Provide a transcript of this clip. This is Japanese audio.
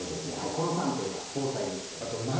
この３点は防災グッズでございます